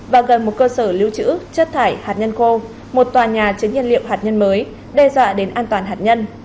và gần một cơ sở lưu trữ chất thải hạt nhân khô một tòa nhà chế nhân liệu hạt nhân mới đe dọa đến an toàn hạt nhân